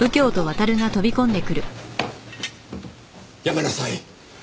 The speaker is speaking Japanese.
やめなさい！